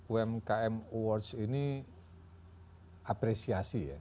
umkm awards ini apresiasi ya